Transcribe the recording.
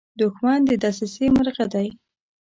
دښمن د دسیسې مرغه دی